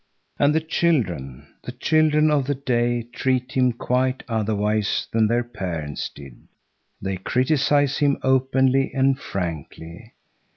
And the children, the children of the day, treat him quite otherwise than their parents did. They criticise him openly and frankly.